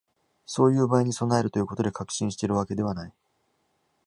そういう場合に備えるということで、確信しているわけではない